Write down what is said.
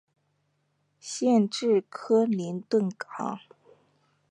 县治克林顿港。